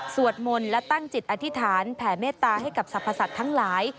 สวดมนตร์และตั้งจิตอธิษฐานแผ่เมตตาให้กับทรัพย์ศัพท์ศัตริย์ทั้งหลาย